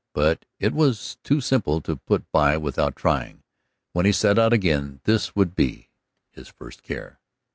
But it was too simple to put by without trying; when he set out again this would be his first care.